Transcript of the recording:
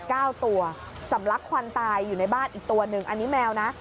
เก้าตัวสำลักควันตายอยู่ในบ้านอีกตัวหนึ่งอันนี้แมวนะ